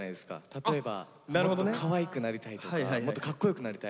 例えばもっとかわいくなりたいとかもっとかっこよくなりたい。